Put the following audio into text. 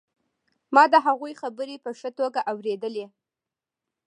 ما د هغوی خبرې په ښه توګه اورېدلې